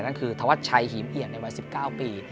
นั่นคือธวัดชัยหิมเอียดในวัย๑๙ปี